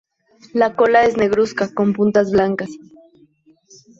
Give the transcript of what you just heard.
La cola es negruzca con puntas blancas.